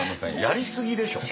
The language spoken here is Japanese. やりすぎでしょ。